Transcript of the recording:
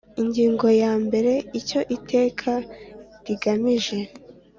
Ingingo ya mbere Icyo iteka rigamije